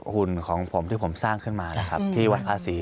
หุ่นของผมที่ผมสร้างขึ้นมานะครับที่วัดภาษี